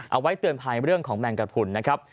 เอาไว้เตือนภัยเรื่องของแมงกระพุนนะครับ